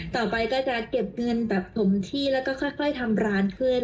ต่อไปก็จะเก็บเงินแบบถมที่แล้วก็ค่อยทำร้านขึ้น